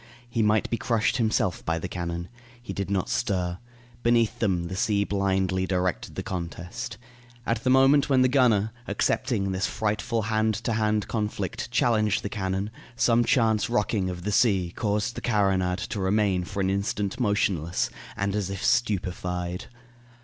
He might be crushed himself by the cannon. He did not stir. Beneath them the sea blindly directed the contest. At the moment when the gunner, accepting this frightful hand to hand conflict, challenged the cannon, some chance rocking of the sea caused the carronade to remain for an instant motionless and as if stupefied.